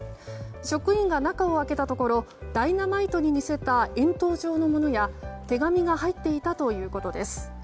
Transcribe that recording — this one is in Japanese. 職員が中を開けたところダイナマイトに似せた円筒状のものや手紙が入っていたということです。